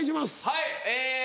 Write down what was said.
はいえ